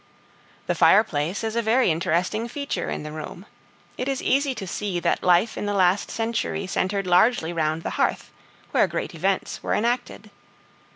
The fireplace is a very interesting feature in the room. It is easy to see that life in the last century centered largely round the hearth, where great events were enacted.